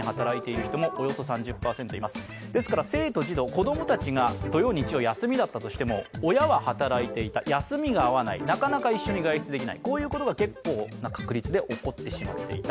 子供たちが土曜、休みだったとしても親が働いている、休みが合わない、なかなか一緒に外出できないということが結構な確率で起きていた。